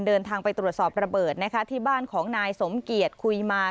เดินทางไปตรวจสอบระเบิดนะคะที่บ้านของนายสมเกียจคุยมา